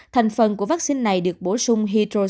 thành phần của vaccine này được bổ sung